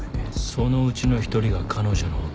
そのうちの１人が彼女の夫。